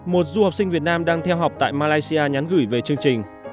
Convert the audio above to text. một du học sinh việt nam đang theo học tại malaysia nhắn gửi về chương trình